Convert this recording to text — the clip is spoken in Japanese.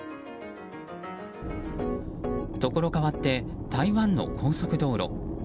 ところ変わって台湾の高速道路。